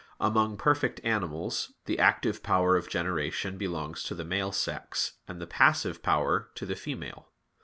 Among perfect animals the active power of generation belongs to the male sex, and the passive power to the female.